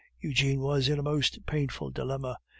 Eugene was in a most painful dilemma.